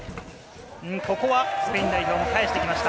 ここはスペイン代表も返してきました。